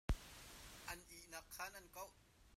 An ihnak khan an kauh .